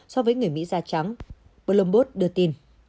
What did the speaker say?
so với người mỹ da trắng bloomberg đưa tin